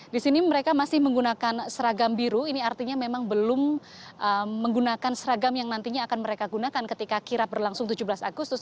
di sini mereka masih menggunakan seragam biru ini artinya memang belum menggunakan seragam yang nantinya akan mereka gunakan ketika kirap berlangsung tujuh belas agustus